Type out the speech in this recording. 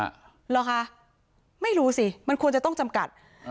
เหรอคะไม่รู้สิมันควรจะต้องจำกัด